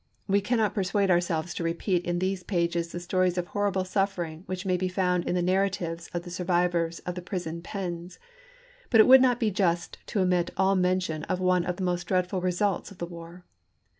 We cannot persuade ourselves to repeat in these pages the stories of horrible suffering which may be found in the narratives of the sur vivors of the prison pens ; but it would not be just to omit all mention of one of the most dreadful results of the war.